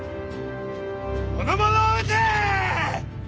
この者をうて！